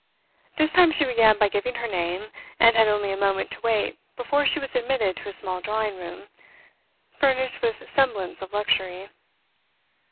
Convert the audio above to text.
This time she began by giving her name, and had only a moment to wait before she was admitted to a small drawing room, furnished with semblance of luxury.